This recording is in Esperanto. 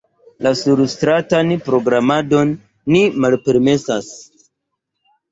Surstratan propagandon ni malpermesas.